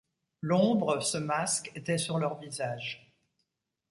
L’ombre, ce masque, était sur leur visage.